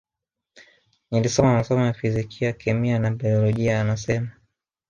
Nilisoma masomo ya fizikia kemia na baiolojia anasema